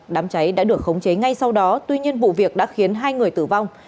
đám cháy đã được khống chế ngay sau đó tuy nhiên vụ việc đã khiến hai người tử vong